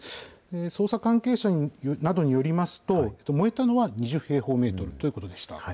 捜査関係者などによりますと、燃えたのは２０平方メートルということでした。